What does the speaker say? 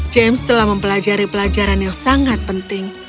james telah mempelajari pelajaran yang sangat penting